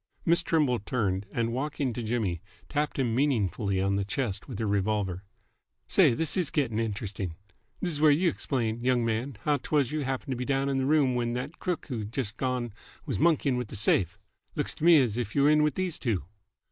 Miss Trimble turned, and, walking to Jimmy, tapped him meaningly on the chest with her revolver. "Say, this is gett'n interesting! This is where y' 'xplain, y'ng man, how 'twas you happened to be down in this room when th't crook who's just gone was monkeyin' with the safe. L'ks t' me as if you were in with these two."